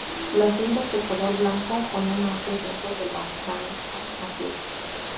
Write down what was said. La cinta es de color blanco con un amplio centro de la franja azul.